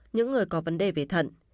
những người có vấn đề về thận